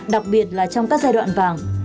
đặc biệt là trong các giai đoạn vàng